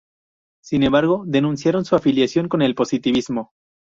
Sin embargo, denunciaron su afiliación con el positivismo.